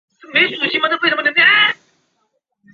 丰特维耶伊尔。